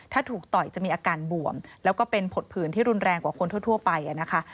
ถ้าถูกต่อยจะมีอาการบวมแล้วก็เป็นผดผื่นที่รุนแรงกว่าคนทั่วไปนะคะ